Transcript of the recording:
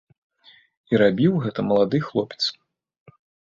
І рабіў гэта малады хлопец.